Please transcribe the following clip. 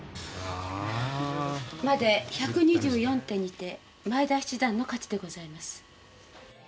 まで１２４手にて前田七段の勝ちでございます。